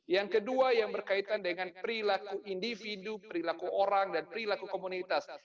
yang kedua yang berkaitan dengan perilaku individu perilaku orang dan perilaku komunitas